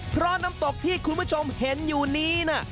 เพราะน้ำตกที่คุณผู้ชมเห็นอยู่นี้นะ